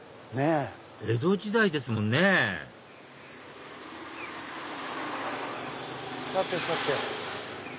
江戸時代ですもんねさてさて。